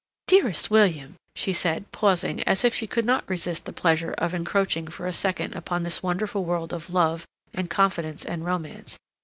"Dearest William," she said, pausing, as if she could not resist the pleasure of encroaching for a second upon this wonderful world of love and confidence and romance.